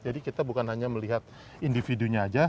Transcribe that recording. jadi kita bukan hanya melihat individunya saja